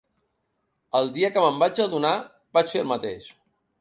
El dia que me'n vaig adonar vaig fer el mateix.